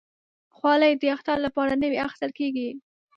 خولۍ د اختر لپاره نوي اخیستل کېږي.